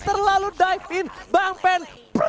terlalu dive in bang pen